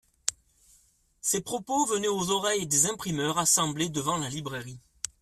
Ces propos venaient aux oreilles des imprimeurs assemblés devant la librairie.